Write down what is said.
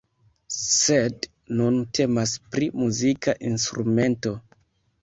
Sed nun temas pri muzika instrumento.